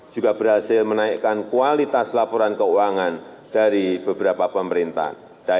juga berhasil menaikkan kualitas laporan keuangan dari beberapa pemerintah